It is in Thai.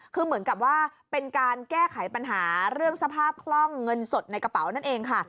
คือเหมือนกับว่าเป็นการแก้ไขปัญหาเรื่องสภาพคล่องเงินสดในกระเป๋านั่นเองค่ะ